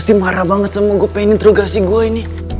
mesti marah banget sama gue pengen terogasi gue ini